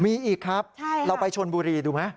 มีอีกครับเราไปชนบุรีดูไหม